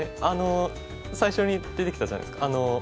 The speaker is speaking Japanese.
あの最初に出てきたじゃないですか。